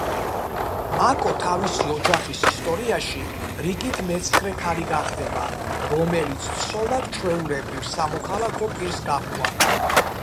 მაკო თავისი ოჯახის ისტორიაში რიგით მეცხრე ქალი გახდება, რომელიც ცოლად ჩვეულებრივ სამოქალაქო პირს გაჰყვა.